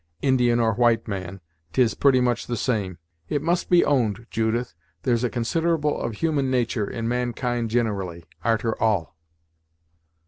Indian or white man, 'tis pretty much the same. It must be owned, Judith, there's a considerable of human natur' in mankind ginirally, arter all!"